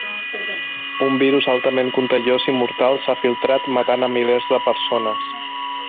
Un virus altament contagiós i mortal s'ha filtrat, matant a milers de persones.